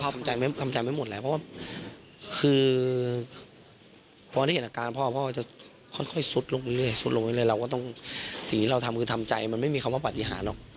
ทำใจไม่หมดเลยเพราะว่า